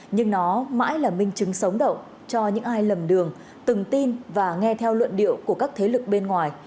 nhưng nó mãi là minh chứng sống động cho những ai lầm đường từng tin và nghe theo luận điệu của các thế lực bên ngoài